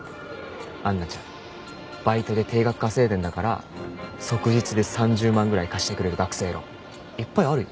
杏奈ちゃんバイトで定額稼いでるんだから即日で３０万ぐらい貸してくれる学生ローンいっぱいあるよ。